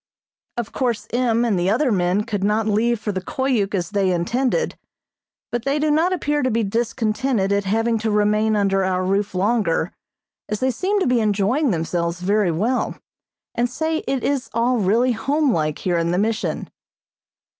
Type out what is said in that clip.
Of course M. and the other men could not leave for the Koyuk as they intended, but they do not appear to be discontented at having to remain under our roof longer, as they seem to be enjoying themselves very well, and say it is all really home like here in the Mission.